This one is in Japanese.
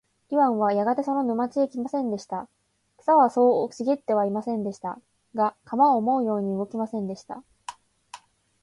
イワンはやがてその沼地へ来ました。草はそう茂ってはいませんでした。が、鎌は思うように動きませんでした。